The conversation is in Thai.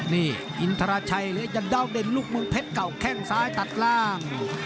นี่อินทราชัยหรืออาจารย์ดาวเด่นลูกเมืองเพชรเก่าแข้งซ้ายตัดล่าง